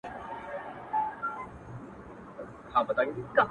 • په کتاب کي څه راغلي راته وایه ملاجانه ,